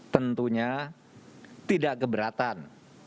tentunya tidak keberatan